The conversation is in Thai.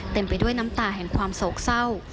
ไปด้วยน้ำตาแห่งความโศกเศร้า